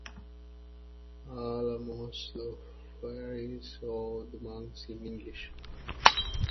Alamos, Los Frailes or 'the monks' in English.